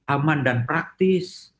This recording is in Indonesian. aman dan praktis